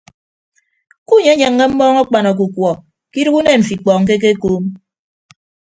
Kunyenyeññe mmọọñ akpan ọkukuọ ke idooho unen mfo ikpọọñ ke ekekuum.